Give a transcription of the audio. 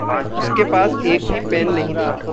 उसके पास एक भी पेन नहीं था।